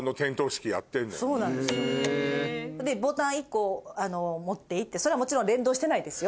そうなんですよ。でボタン１個持っていってそれはもちろん連動してないですよ